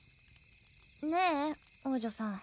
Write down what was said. ねえ王女さん。